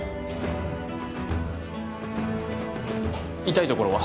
痛いところは？